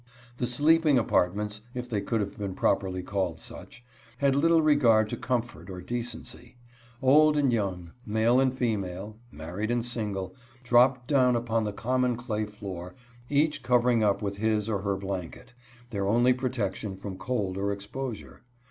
The sleeping apartments, if they could have been properly called such, had little regard to comfort or de cency. Old and young, male and female, married and single, dropped down upon the common clay floor, each covering up with his or her blanket, their only protection from cold or exposure.